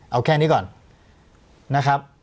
เอาแค่นี้ก่อนนะครับ